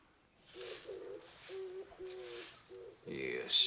よし。